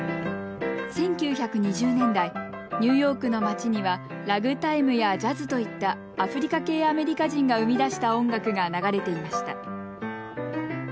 １９２０年代ニューヨークの街にはラグタイムやジャズといったアフリカ系アメリカ人が生み出した音楽が流れていました。